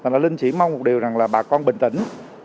là linh chỉ mong một điều rằng là bà con bình tĩnh